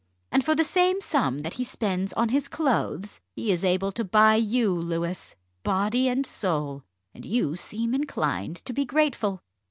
And for the same sum that he spends on his clothes, he is able to buy you, Louis, body and soul, and you seem inclined to be grateful."